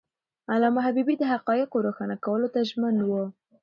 علامه حبيبي د حقایقو روښانه کولو ته ژمن و.